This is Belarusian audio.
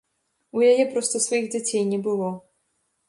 У яе проста сваіх дзяцей не было.